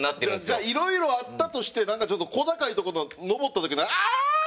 じゃあいろいろあったとしてなんかちょっと小高い所登った時の「ああー！」はなんやったん？